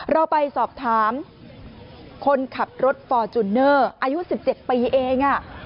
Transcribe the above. เราไปสอบถามคนขับรถฟอร์จูเนอร์อายุ๑๗ปีเอง